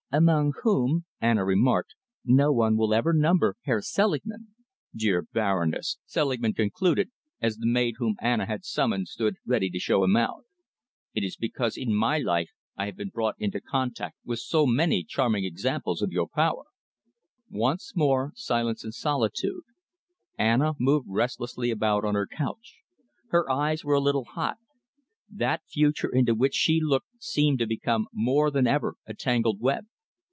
"Among whom," Anna remarked, "no one will ever number Herr Selingman." "Dear Baroness," Selingman concluded, as the maid whom Anna had summoned stood ready to show him out, "it is because in my life I have been brought into contact with so many charming examples of your power." Once more silence and solitude. Anna moved restlessly about on her couch. Her eyes were a little hot. That future into which she looked seemed to become more than ever a tangled web.